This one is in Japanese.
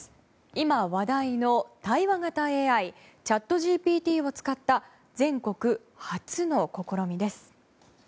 今、話題の対話型ＡＩチャットＧＰＴを使った全国初の試みです。